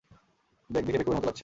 Bag দেখে বেকুবের মতো লাগছে।